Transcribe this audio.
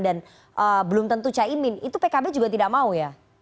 belum tentu caimin itu pkb juga tidak mau ya